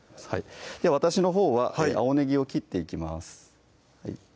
私のほうは青ねぎを切っていきます